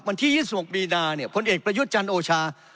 วันที่๒๖มีนาเนี่ยพลเอกประยุทธ์จันทร์โอชา